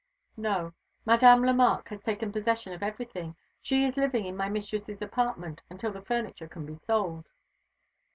"No. Madame Lemarque has taken possession of everything. She is living in my mistress's apartment until the furniture can be sold."